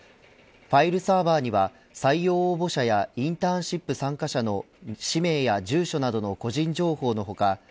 ファイルサーバーには採用応募者やインターンシップ参加者の氏名や住所などの個人情報の他